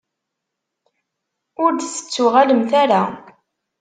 Ur d-tettuɣalemt ara.